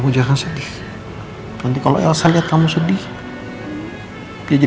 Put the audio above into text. secara sejati nanti ini aku akanments di internet